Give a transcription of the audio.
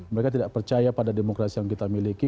mereka tidak percaya pada demokrasi yang kita miliki